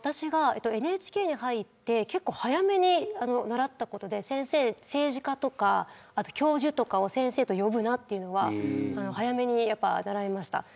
私がＮＨＫに入って結構早めに習ったことで政治家とか教授とかを先生と呼ぶなというのは早めにやっぱ習いました。